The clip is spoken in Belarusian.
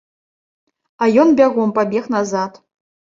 А ён бягом пабег назад.